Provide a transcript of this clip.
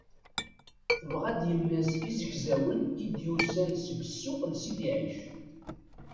Tebɣa-d yemma-s izegzawen i d-yusan seg ssuq n Sidi Ɛic.